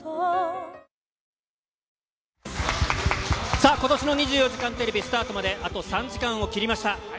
さあ、ことしの２４時間テレビスタートまであと３時間を切りました。